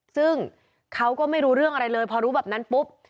ซึ่งเขาก็ไม่รู้เรื่องอะไรเลยพอรู้แบบนั้นปุ๊บ